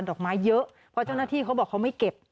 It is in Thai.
ดอกไม้เยอะเพราะเจ้าหน้าที่เขาบอกเขาไม่เก็บ